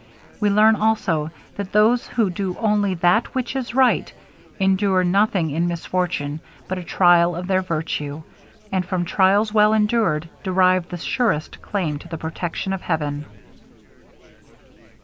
We learn, also, that those who do only THAT WHICH IS RIGHT, endure nothing in misfortune but a trial of their virtue, and from trials well endured derive the surest claim to the protection of heaven.